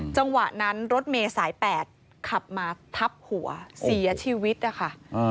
จังหวะนั้นรถเมย์สาย๘ขับมาทับหัวเสียชีวิตนะคะ